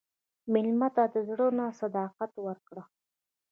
مېلمه ته د زړه نه صداقت ورکړه.